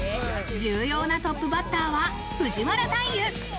重要なトップバッターは藤原大祐。